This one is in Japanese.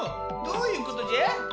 どういうことじゃ？